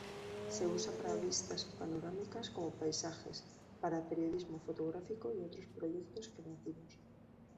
Se usa para vistas panorámicas, como paisajes, para periodismo fotográfico y otros proyectos creativos.